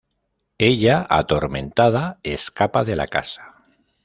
Ella, atormentada, escapa de la casa.